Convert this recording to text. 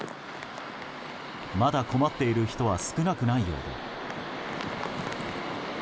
まだ困っている人は少なくないようで。